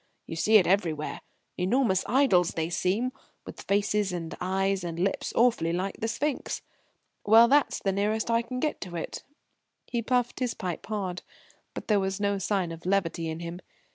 You see it everywhere enormous idols they seem, with faces and eyes and lips awfully like the sphinx well, that's the nearest I can get to it." He puffed his pipe hard. But there was no sign of levity in him.